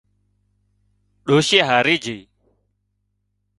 ڏوشِي هاري جھئي